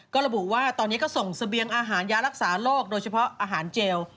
ก็ระบุว่าตอนนี้ก็ส่งเสบียงอาหารยารักษาโรคโดยเฉพาะอาหารเจล